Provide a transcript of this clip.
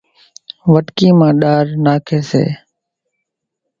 وٽڪي مان ڏار ناکي سي